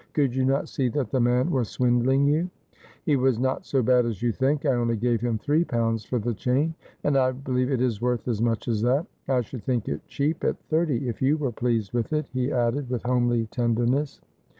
Could you not see that the man was swindling you ?'' He was not so bad as you think. I only gave him three pounds for the chain, and I believe it is worth as much as that. I should think it cheap at thirty if you were pleased with it,' he added, with homely tenderness.